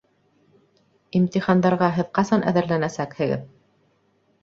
Имтихандарға һеҙ ҡасан әҙерләнәсәкһегеҙ?